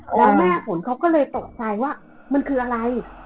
แล้วแม่ฝนเขาก็เลยตกใจว่ามันคืออะไร